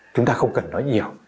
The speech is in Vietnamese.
chúng ta không cần nói nhiều